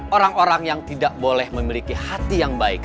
orang orang yang tidak boleh memiliki hati yang baik